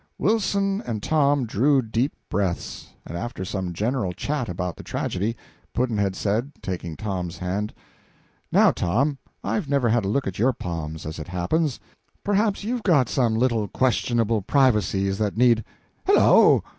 Wilson and Tom drew deep breaths, and after some general chat about the tragedy, Pudd'nhead said, taking Tom's hand "Now, Tom, I've never had a look at your palms, as it happens; perhaps you've got some little questionable privacies that need hel lo!"